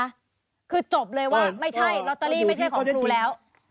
จบเลยไหมคะคือจบเลยว่าไม่ใช่รอตเตอรี่ไม่ใช่ของครูแล้ว